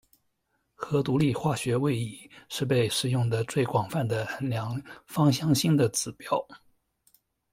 核独立化学位移是被使用得最广泛的衡量芳香性的指标。